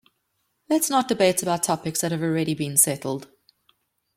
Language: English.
Let's not debate about topics that have already been settled.